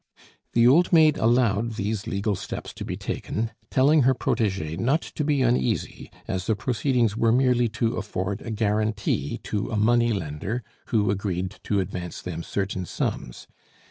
The old maid allowed these legal steps to be taken, telling her protege not to be uneasy, as the proceedings were merely to afford a guarantee to a money lender who agreed to advance them certain sums.